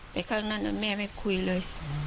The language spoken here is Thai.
ไปข้างนั้นแล้วแม่ไม่คุยเลย